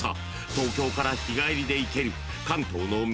［東京から日帰りで行ける］